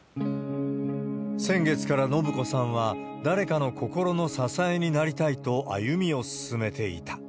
先月から伸子さんは、誰かの心の支えになりたいと、歩みを進めていた。